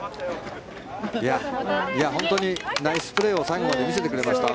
本当にナイスプレーを最後まで見せてくれました。